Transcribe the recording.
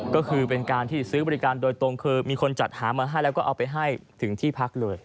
ก็คือเป็นการที่ซื้อบริการโดยตรงคือมีคนจัดหามาให้แล้วก็เอาไปให้ถึงที่พักเลย